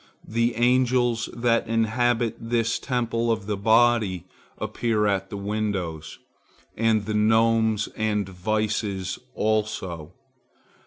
The angels that inhabit this temple of the body appear at the windows, and the gnomes and vices also.